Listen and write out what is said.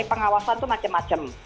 pengawasan itu macam macam